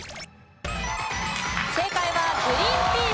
正解はグリーンピース。